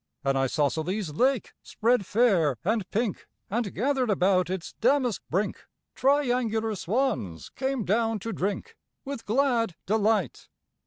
An isosceles lake spread fair and pink, And, gathered about its damask brink, Triangular swans came down to drink With glad delight.